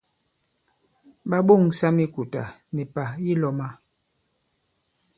Ɓa ɓoŋsa mikùtà nì pà yi lɔ̄ma.